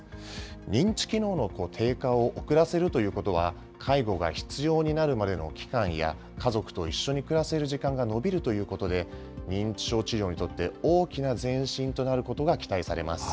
認知機能の低下を遅らせるということは、介護が必要になるまでの期間や、家族と一緒に暮らせる時間が延びるということで、認知症治療にとって大きな前進となることが期待されます。